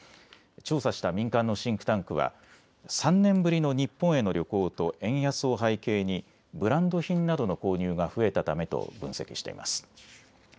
調査した民間のシンクタンクは３年ぶりの日本への旅行と円安を背景にブランド品などの購入が増えたためと分析しています。